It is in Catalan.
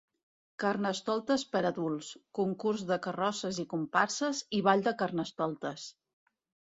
Carnestoltes per adults: concurs de carrosses i comparses i ball de carnestoltes.